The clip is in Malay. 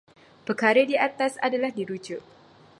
Perkara di atas adalah dirujuk.